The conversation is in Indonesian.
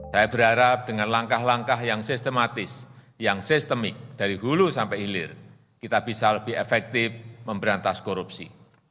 saya berharap dengan langkah langkah yang sistematis yang sistemik dari hulu sampai hilir kita bisa lebih efektif memberantas korupsi